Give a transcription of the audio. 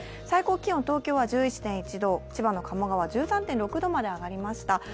最高気温、東京は１１．１度、千葉の鴨川１３．６度まで上がりました。